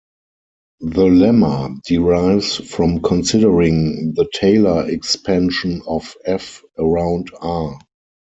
The lemma derives from considering the Taylor expansion of "f" around "r".